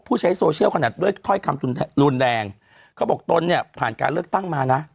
ใช้โซเชียลขนาดด้วยถ้อยคำรุนแรงเขาบอกตนเนี่ยผ่านการเลือกตั้งมานะ